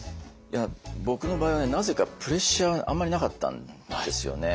僕の場合はなぜかプレッシャーあんまりなかったんですよね。